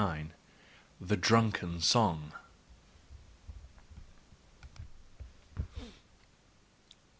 LXXIX. THE DRUNKEN SONG.